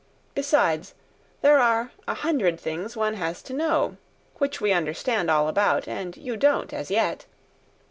Besides, there are a hundred things one has to know, which we understand all about and you don't, as yet.